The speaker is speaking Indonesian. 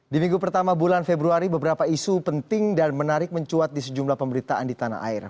di minggu pertama bulan februari beberapa isu penting dan menarik mencuat di sejumlah pemberitaan di tanah air